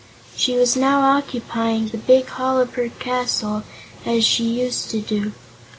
She was now occupying the big hall of her castle as she used to do.